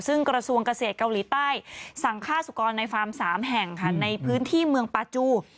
ซึ่งกระทรวงเกษตรเกาหลีใต้สั่งฆ่าสุกรในฟาร์ม๓แห่งค่ะในพื้นที่เมืองปาจู